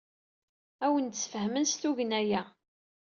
Ad awen-d-sfehmen s tugna-a.